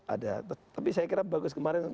ada tapi saya kira bagus kemarin